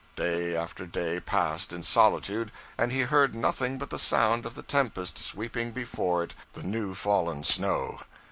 Day after day passed in solitude, and he heard nothing but the sound of the tempest, sweeping before it the new fallen snow.